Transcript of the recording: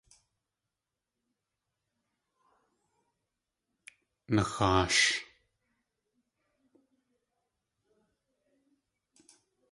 Naxaash!